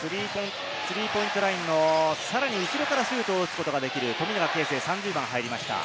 スリーポイントラインのさらに後からシュートを打つことができる富永啓生が入りました。